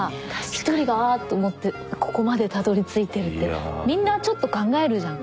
１人があっと思ってここまでたどりついてるってみんなちょっと考えるじゃん。